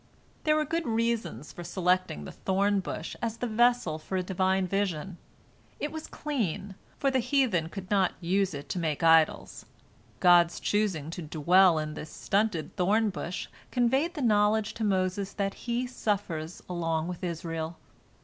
There were good reasons for selecting the thorn bush as the vessel for a Divine vision. It was "clean," for the heathen could not use it to make idols. God's choosing to dwell in the stunted thorn bush conveyed the knowledge to Moses that He suffers along with Israel.